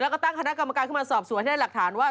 แล้วก็ตั้งคณะกรรมการขึ้นมาสอบสวนให้ได้หลักฐานว่า